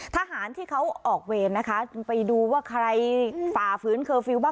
ทหารที่เขาออกเวรนะคะไปดูว่าใครฝ่าฝืนเคอร์ฟิลลบ้าง